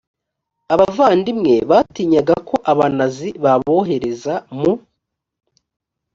abavandimwe batinyaga ko abanazi babohereza mu